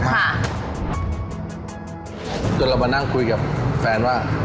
จนเรามานั่งคุยกับแฟนว่า